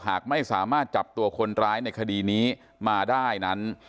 หากไม่สามารถจับตัวคนร้ายในคดีนี้มาได้นั้น